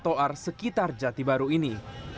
troar sekitar jati baru ini